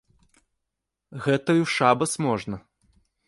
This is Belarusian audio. Гэта і ў шабас можна!